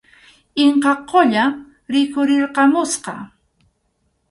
Inka Qulla rikhurirqamusqa.